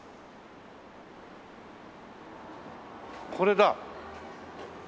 これだ。